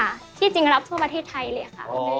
ที่จริงรับทั่วประเทศไทยเลยค่ะ